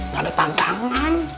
gak ada tantangan